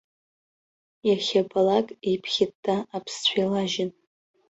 Иахьабалак еиԥхьытта аԥсцәа еилажьын.